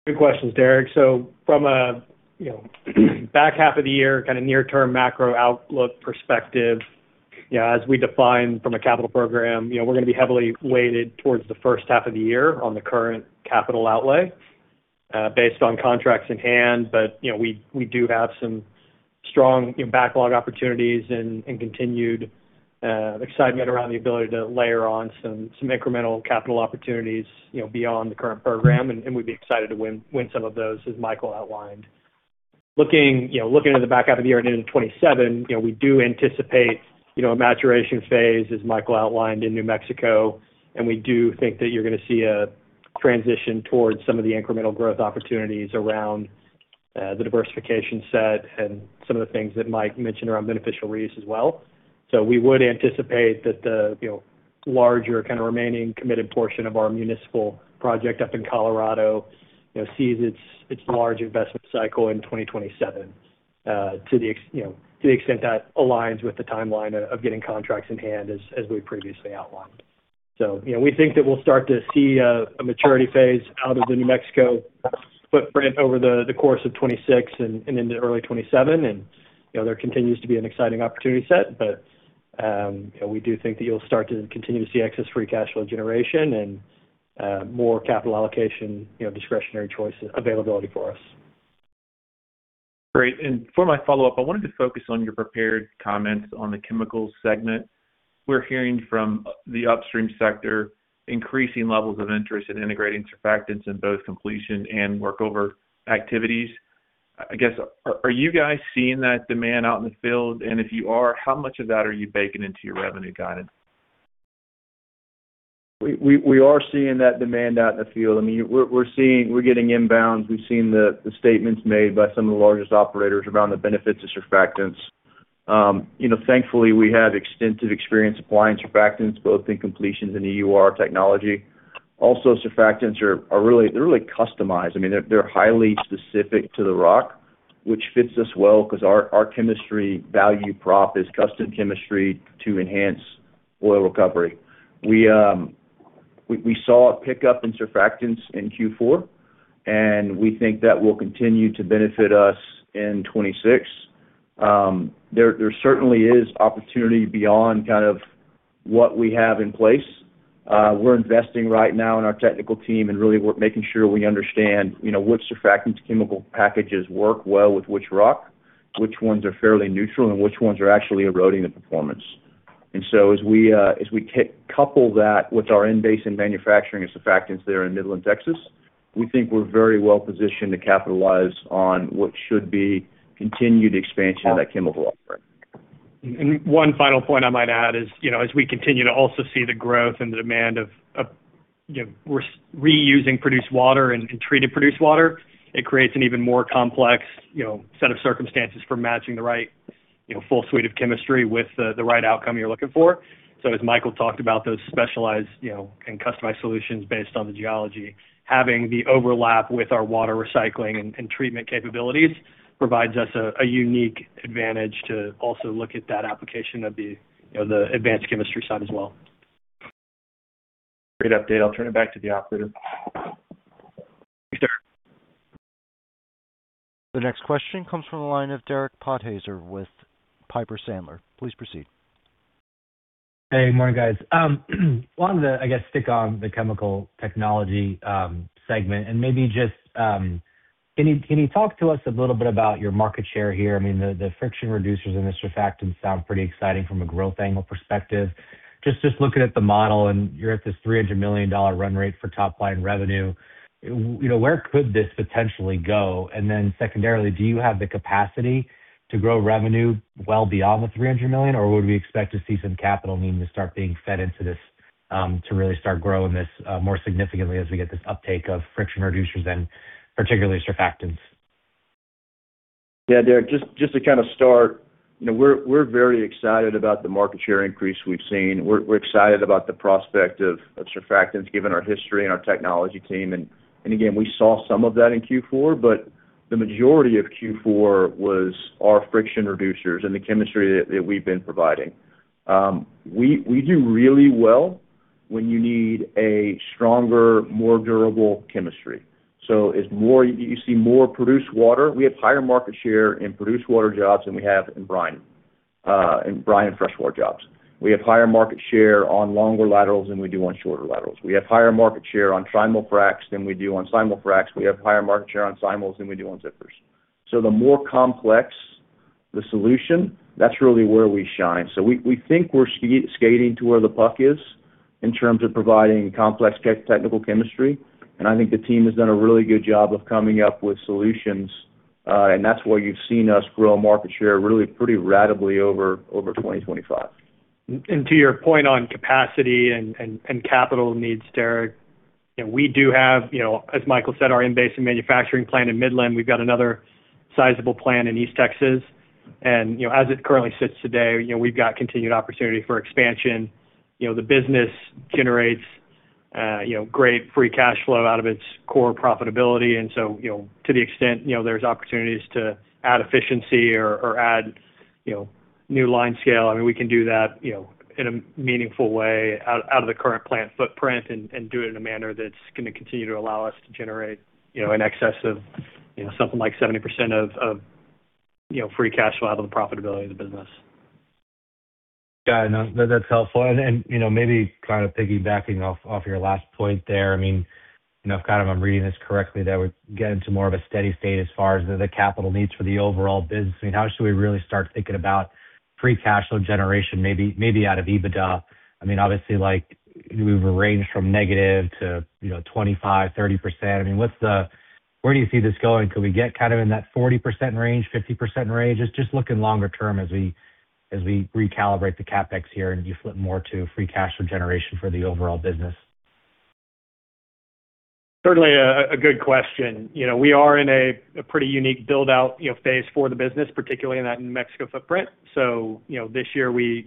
Good questions, Derrick. So from a, you know, back half of the year, kinda near term macro outlook perspective, you know, as we define from a capital program, you know, we're gonna be heavily weighted towards the first half of the year on the current capital outlay, based on contracts in hand. But, you know, we do have some strong, you know, backlog opportunities and continued excitement around the ability to layer on some incremental capital opportunities, you know, beyond the current program, and we'd be excited to win some of those, as Michael outlined. Looking, you know, looking at the back half of the year, end of 2027, you know, we do anticipate, you know, a maturation phase, as Michael outlined, in New Mexico, and we do think that you're gonna see a transition towards some of the incremental growth opportunities around the diversification set and some of the things that Mike mentioned around beneficial reuse as well. So we would anticipate that the, you know, larger kind of remaining committed portion of our municipal project up in Colorado, you know, sees its, its large investment cycle in 2027, to the extent that aligns with the timeline of getting contracts in hand, as we previously outlined. So, you know, we think that we'll start to see a maturity phase out of the New Mexico footprint over the course of 2026 and into early 2027. And, you know, there continues to be an exciting opportunity set, but, you know, we do think that you'll start to continue to see excess free cash flow generation and more capital allocation, you know, discretionary choices availability for us. Great. And for my follow-up, I wanted to focus on your prepared comments on the chemicals segment. We're hearing from the upstream sector, increasing levels of interest in integrating surfactants in both completion and workover activities. I guess, are you guys seeing that demand out in the field? And if you are, how much of that are you baking into your revenue guidance? We are seeing that demand out in the field. I mean, we're seeing. We're getting inbounds. We've seen the statements made by some of the largest operators around the benefits of surfactants. You know, thankfully, we have extensive experience applying surfactants, both in completions and EOR technology. Also, surfactants are really. They're really customized. I mean, they're highly specific to the rock, which fits us well because our chemistry value prop is custom chemistry to enhance oil recovery. We saw a pickup in surfactants in Q4, and we think that will continue to benefit us in 2026. There certainly is opportunity beyond kind of what we have in place. We're investing right now in our technical team, and really, we're making sure we understand, you know, which surfactants chemical packages work well with which rock, which ones are fairly neutral, and which ones are actually eroding the performance. So as we couple that with our in-basin manufacturing and surfactants that are in Midland, Texas, we think we're very well positioned to capitalize on what should be continued expansion of that chemical offering. One final point I might add is, you know, as we continue to also see the growth and the demand of, you know, we're reusing produced water and treated produced water, it creates an even more complex, you know, set of circumstances for matching the right, you know, full suite of chemistry with the right outcome you're looking for. So as Michael talked about, those specialized, you know, and customized solutions based on the geology, having the overlap with our water recycling and treatment capabilities provides us a unique advantage to also look at that application of the, you know, the advanced chemistry side as well. Great update. I'll turn it back to the operator. Thanks, Derrick. The next question comes from the line of Derek Podhaizer with Piper Sandler. Please proceed. Hey, good morning, guys. Wanted to, I guess, stick on the Chemical Technologies segment and maybe just, can you, can you talk to us a little bit about your market share here? I mean, the friction reducers and the surfactants sound pretty exciting from a growth angle perspective. Just looking at the model, and you're at this $300 million run rate for top line revenue, you know, where could this potentially go? And then secondarily, do you have the capacity to grow revenue well beyond the $300 million, or would we expect to see some capital needs to start being fed into this? To really start growing this more significantly as we get this uptake of friction reducers and particularly surfactants? Yeah, Derek, just, just to kind of start, you know, we're, we're very excited about the market share increase we've seen. We're, we're excited about the prospect of, of surfactants, given our history and our technology team. And, and again, we saw some of that in Q4, but the majority of Q4 was our friction reducers and the chemistry that, that we've been providing. We, we do really well when you need a stronger, more durable chemistry. So as more, you see more produced water, we have higher market share in produced water jobs than we have in brine, in brine and freshwater jobs. We have higher market share on longer laterals than we do on shorter laterals. We have higher market share on trimul-fracs than we do on simul-fracs. We have higher market share on simuls than we do on zippers. So the more complex the solution, that's really where we shine. So we think we're skating to where the puck is in terms of providing complex technical chemistry, and I think the team has done a really good job of coming up with solutions, and that's why you've seen us grow market share really pretty ratably over 2025. To your point on capacity and capital needs, Derek, you know, we do have, you know, as Michael said, our in-basin manufacturing plant in Midland. We've got another sizable plant in East Texas. And, you know, as it currently sits today, you know, we've got continued opportunity for expansion. You know, the business generates, you know, great free cash flow out of its core profitability. And so, you know, to the extent, you know, there's opportunities to add efficiency or add, you know, new line scale, I mean, we can do that, you know, in a meaningful way out of the current plant footprint and do it in a manner that's gonna continue to allow us to generate, you know, in excess of, you know, something like 70% of free cash flow out of the profitability of the business. Got it. No, that's helpful. And you know, maybe kind of piggybacking off your last point there, I mean, you know, if kind of I'm reading this correctly, that would get into more of a steady state as far as the capital needs for the overall business. I mean, how should we really start thinking about free cash flow generation, maybe out of EBITDA? I mean, obviously, like, we've ranged from negative to, you know, 25%-30%. I mean, what's the, where do you see this going? Could we get kind of in that 40% range, 50% range? Just looking longer term as we recalibrate the CapEx here, and you flip more to free cash flow generation for the overall business. Certainly a good question. You know, we are in a pretty unique build-out, you know, phase for the business, particularly in that New Mexico footprint. So, you know, this year we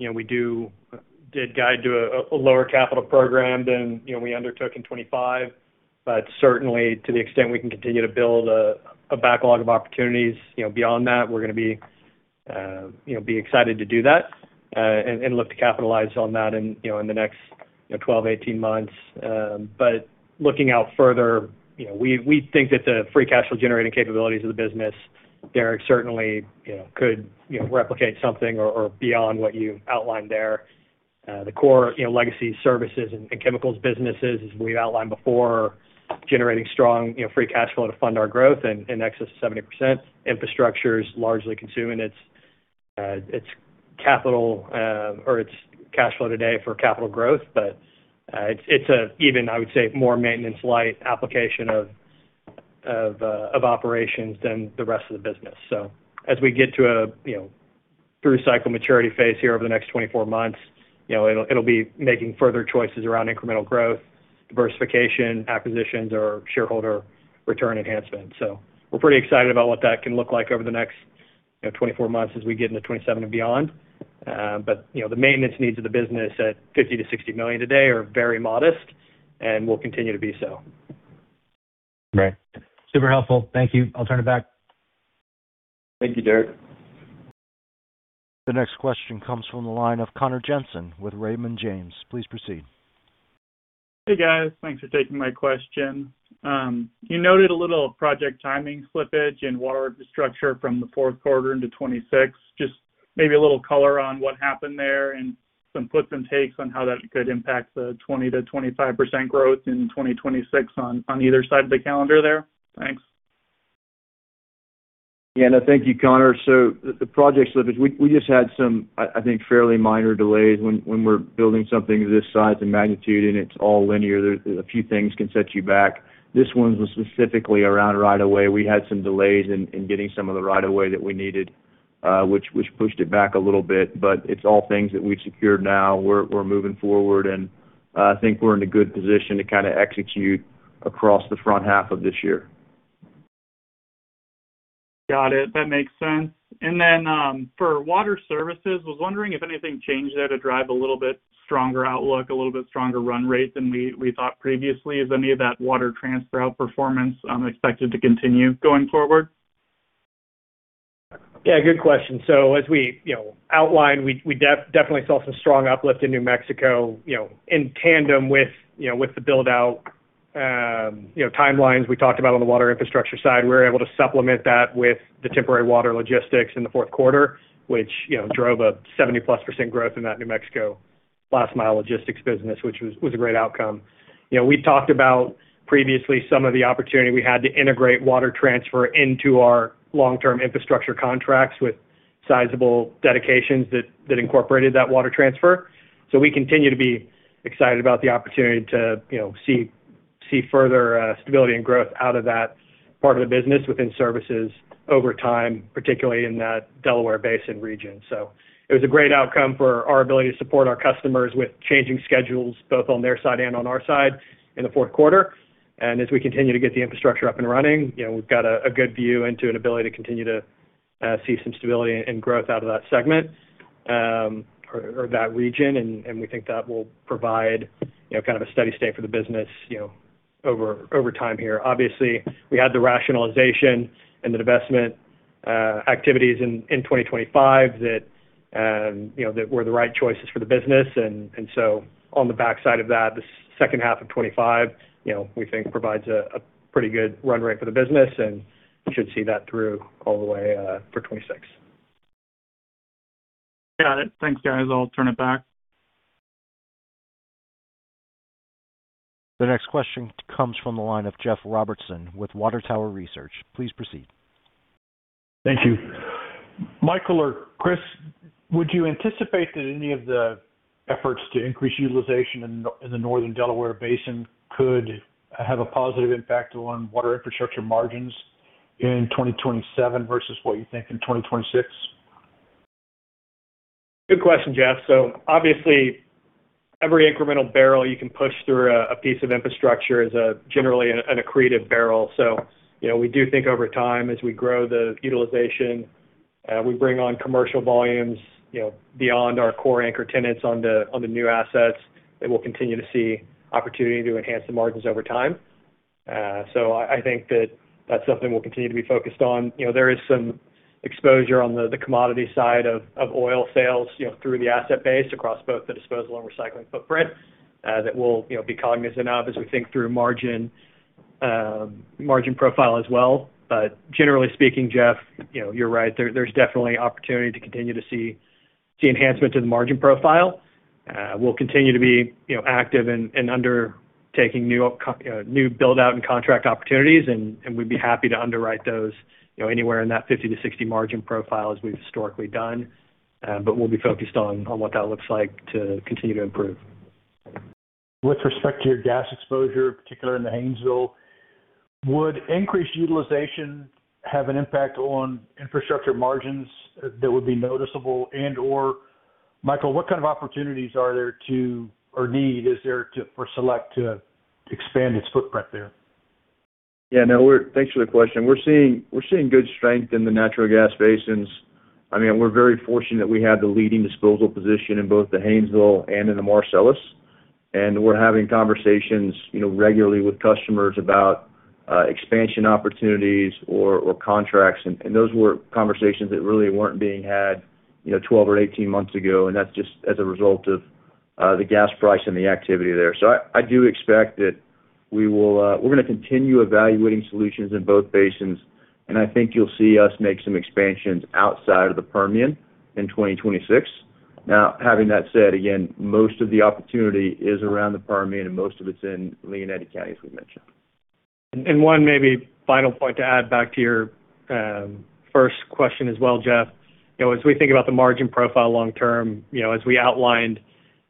did guide to a lower capital program than, you know, we undertook in 2025. But certainly, to the extent we can continue to build a backlog of opportunities, you know, beyond that, we're gonna be excited to do that and look to capitalize on that in the next 12-18 months. But looking out further, you know, we think that the free cash flow generating capabilities of the business, Derek, certainly could replicate something or beyond what you've outlined there. The core, you know, legacy services and chemicals businesses, as we've outlined before, generating strong, you know, free cash flow to fund our growth and in excess of 70%. Infrastructure is largely consuming its capital or its cash flow today for capital growth. But, it's a even, I would say, more maintenance light application of operations than the rest of the business. So as we get to a, you know, through cycle maturity phase here over the next 24 months, you know, it'll be making further choices around incremental growth, diversification, acquisitions, or shareholder return enhancement. So we're pretty excited about what that can look like over the next, you know, 24 months as we get into 2027 and beyond. But, you know, the maintenance needs of the business at $50 million-$60 million today are very modest and will continue to be so. Right. Super helpful. Thank you. I'll turn it back. Thank you, Derek. The next question comes from the line of Connor Jensen with Raymond James. Please proceed. Hey, guys. Thanks for taking my question. You noted a little project timing slippage in water infrastructure from the fourth quarter into 2026. Just maybe a little color on what happened there and some puts and takes on how that could impact the 20%-25% growth in 2026 on either side of the calendar there? Thanks. Yeah, no, thank you, Connor. So the project slippage, we just had some, I think, fairly minor delays. When we're building something of this size and magnitude, and it's all linear, a few things can set you back. This one was specifically around right of way. We had some delays in getting some of the right of way that we needed, which pushed it back a little bit, but it's all things that we've secured now. We're moving forward, and I think we're in a good position to kind of execute across the front half of this year. Got it. That makes sense. And then, for water services, I was wondering if anything changed there to drive a little bit stronger outlook, a little bit stronger run rate than we thought previously. Is any of that water transfer outperformance expected to continue going forward? Yeah, good question. So as we, you know, outlined, we definitely saw some strong uplift in New Mexico, you know, in tandem with, you know, with the build-out, you know, timelines we talked about on the water infrastructure side. We were able to supplement that with the temporary water logistics in the fourth quarter, which, you know, drove a 70%+ growth in that New Mexico last mile logistics business, which was a great outcome. You know, we talked about previously some of the opportunity we had to integrate water transfer into our long-term infrastructure contracts with sizable dedications that incorporated that water transfer. So we continue to be excited about the opportunity to, you know, see further stability and growth out of that part of the business within services over time, particularly in that Delaware Basin region. So it was a great outcome for our ability to support our customers with changing schedules, both on their side and on our side, in the fourth quarter. As we continue to get the infrastructure up and running, you know, we've got a good view into an ability to continue to see some stability and growth out of that segment, or that region. We think that will provide, you know, kind of a steady state for the business, you know, over time here. Obviously, we had the rationalization and the divestment activities in 2025 that, you know, that were the right choices for the business. and so on the backside of that, the second half of 2025, you know, we think provides a pretty good run rate for the business, and we should see that through all the way for 2026. Got it. Thanks, guys. I'll turn it back. The next question comes from the line of Jeff Robertson with Water Tower Research. Please proceed. Thank you. Michael or Chris, would you anticipate that any of the efforts to increase utilization in the Northern Delaware Basin could have a positive impact on water infrastructure margins in 2027 versus what you think in 2026? Good question, Jeff. So obviously, every incremental barrel you can push through a piece of infrastructure is generally an accretive barrel. So, you know, we do think over time, as we grow the utilization, we bring on commercial volumes, you know, beyond our core anchor tenants on the new assets, that we'll continue to see opportunity to enhance the margins over time. So I think that's something we'll continue to be focused on. You know, there is some exposure on the commodity side of oil sales, you know, through the asset base, across both the disposal and recycling footprint, that we'll, you know, be cognizant of as we think through margin profile as well. But generally speaking, Jeff, you know, you're right. There's definitely opportunity to continue to see enhancement to the margin profile. We'll continue to be, you know, active in undertaking new build-out and contract opportunities, and we'd be happy to underwrite those, you know, anywhere in that 50-60 margin profile, as we've historically done. But we'll be focused on what that looks like to continue to improve. With respect to your gas exposure, particularly in the Haynesville, would increased utilization have an impact on infrastructure margins that would be noticeable? And/or, Michael, what kind of opportunities are there to... or need is there to, for Select to expand its footprint there? Yeah, no, we're. Thanks for the question. We're seeing good strength in the natural gas basins. I mean, we're very fortunate that we have the leading disposal position in both the Haynesville and in the Marcellus. And we're having conversations, you know, regularly with customers about expansion opportunities or contracts. And those were conversations that really weren't being had, you know, 12 or 18 months ago, and that's just as a result of the gas price and the activity there. So I do expect that we will. We're gonna continue evaluating solutions in both basins, and I think you'll see us make some expansions outside of the Permian in 2026. Now, having that said, again, most of the opportunity is around the Permian, and most of it's in Lea County, as we mentioned. One maybe final point to add back to your first question as well, Jeff. You know, as we think about the margin profile long term, you know, as we outlined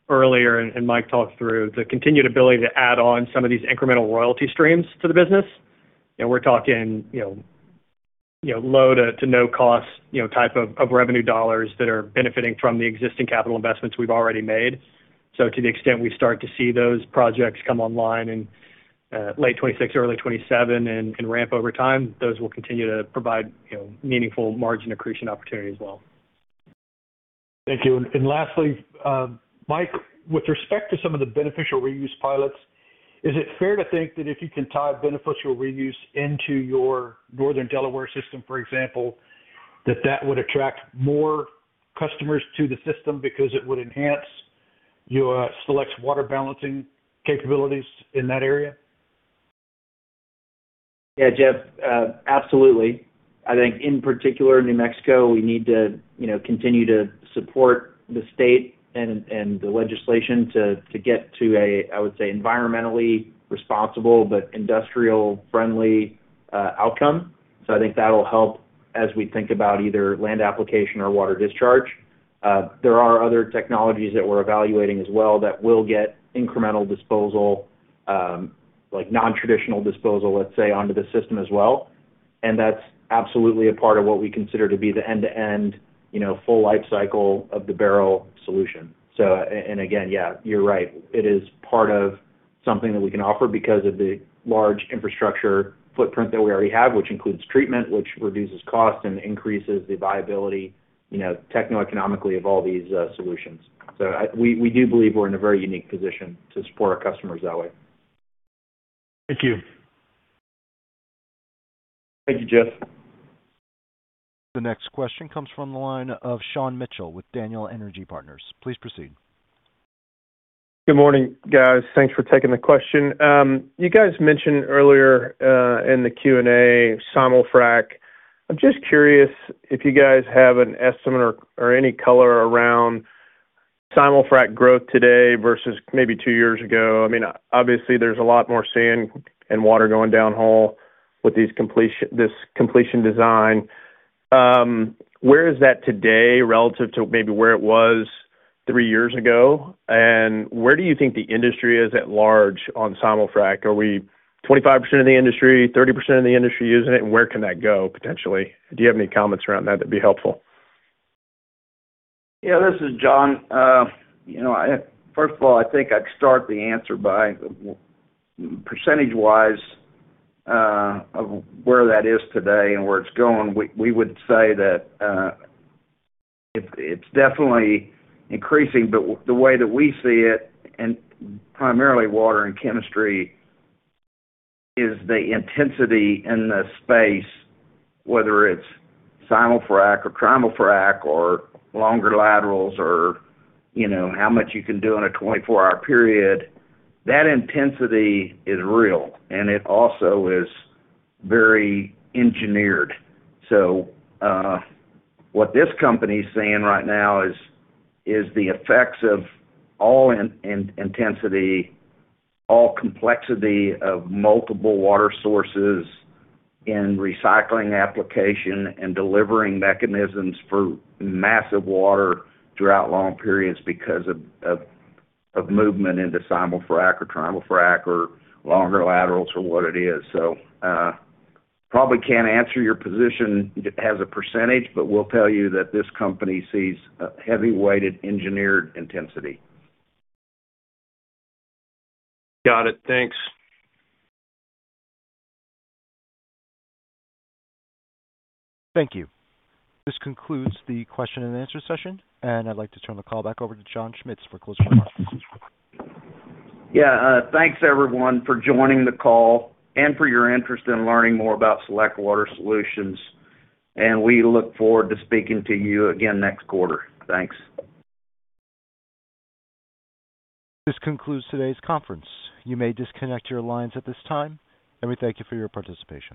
earlier and Mike talked through, the continued ability to add on some of these incremental royalty streams to the business, and we're talking, you know, you know, low to no cost, you know, type of revenue dollars that are benefiting from the existing capital investments we've already made. So to the extent we start to see those projects come online in late 2026, early 2027 and ramp over time, those will continue to provide, you know, meaningful margin accretion opportunity as well. Thank you. And lastly, Mike, with respect to some of the beneficial reuse pilots, is it fair to think that if you can tie beneficial reuse into your Northern Delaware system, for example, that that would attract more customers to the system because it would enhance your Select's water balancing capabilities in that area? Yeah, Jeff, absolutely. I think in particular, New Mexico, we need to, you know, continue to support the state and, and the legislation to, to get to a, I would say, environmentally responsible but industrial-friendly outcome. So I think that'll help as we think about either land application or water discharge. There are other technologies that we're evaluating as well that will get incremental disposal, like, non-traditional disposal, let's say, onto the system as well. And that's absolutely a part of what we consider to be the end-to-end, you know, full life cycle of the barrel solution. So and again, yeah, you're right. It is part of something that we can offer because of the large infrastructure footprint that we already have, which includes treatment, which reduces cost and increases the viability, you know, techno-economically of all these solutions. So we do believe we're in a very unique position to support our customers that way. Thank you. Thank you, Jeff. The next question comes from the line of Sean Mitchell with Daniel Energy Partners. Please proceed. Good morning, guys. Thanks for taking the question. You guys mentioned earlier in the Q&A simul-frac. I'm just curious if you guys have an estimate or, or any color around simul-frac growth today versus maybe two years ago. I mean, obviously, there's a lot more sand and water going downhole with these completion—this completion design.... where is that today relative to maybe where it was three years ago? And where do you think the industry is at large on simul-frac? Are we 25% of the industry, 30% of the industry using it? And where can that go potentially? Do you have any comments around that? That'd be helpful. Yeah, this is John. You know, I, first of all, I think I'd start the answer by percentage-wise of where that is today and where it's going. We would say that it's definitely increasing, but the way that we see it, and primarily water and chemistry, is the intensity in the space, whether it's simul-frac or trimul-frac or longer laterals or, you know, how much you can do in a 24-hour period, that intensity is real, and it also is very engineered. So, what this company is saying right now is the effects of all in-intensity, all complexity of multiple water sources in recycling application and delivering mechanisms for massive water throughout long periods because of movement into simul-frac or trimul-frac or longer laterals or what it is. Probably can't answer your position as a percentage, but we'll tell you that this company sees a heavy weighted engineered intensity. Got it. Thanks. Thank you. This concludes the question and answer session, and I'd like to turn the call back over to John Schmitz for closing remarks. Yeah, thanks everyone for joining the call and for your interest in learning more about Select Water Solutions, and we look forward to speaking to you again next quarter. Thanks. This concludes today's conference. You may disconnect your lines at this time, and we thank you for your participation.